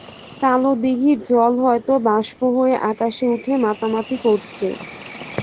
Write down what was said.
কালো দিঘির জল হয়তো বাষ্প হয়ে আকাশে উঠে মাতামাতি করছে।